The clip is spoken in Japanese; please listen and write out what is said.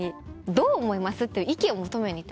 どう思います？っていう意見を求めに行ってます。